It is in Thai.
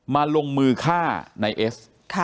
มาลงมือฆ่าในเอส